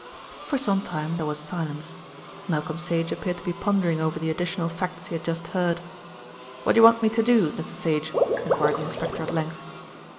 For some time there was silence. Malcolm Sage appeared to be pondering over the additional facts he had just heard. "What do you want me to do, Mr. Sage?" enquired the inspector at length.